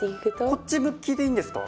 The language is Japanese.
こっち向きでいいんですか？